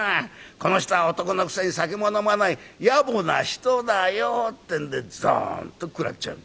『この人は男のくせに酒も飲まないやぼな人だよ』ってんでざんっと食らっちゃう」。